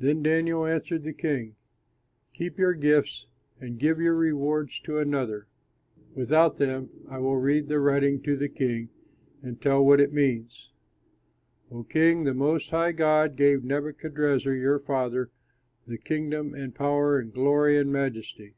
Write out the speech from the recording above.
Then Daniel answered the king, "Keep your gifts and give your rewards to another. Without them I will read the writing to the king, and tell what it means. O king, the Most High God gave Nebuchadrezzar, your father, the kingdom and power, glory and majesty.